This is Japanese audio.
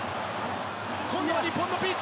今度は日本のピンチ